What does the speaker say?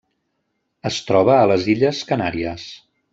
Es troba a les illes Canàries.